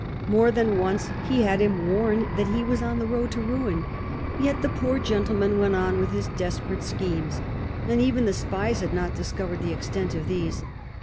More than once he had him warned that he was on the road to ruin ; yet " the poor gentleman " went on with his desperate schemes. And even the spies had not discovered the extent of these.